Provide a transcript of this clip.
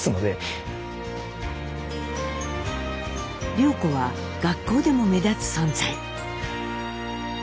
涼子は学校でも目立つ存在。